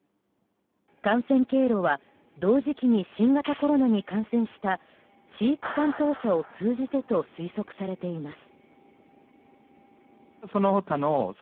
感染経路は同時期に新型コロナに感染した飼育担当者を通じてと推測されています。